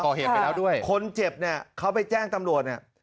ก่อเหตุไปแล้วด้วยคนเจ็บเนี่ยเขาไปแจ้งตำรวจเนี่ย